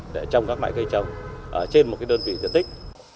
để trồng các loại cây trồng trên một đơn vị diện tích